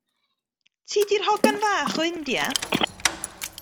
Ti 'di'r hogan fach o India?